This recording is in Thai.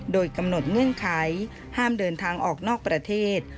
โดยกำหนดเงื่อนไขห้ามเดินทางออกนอกประเทศ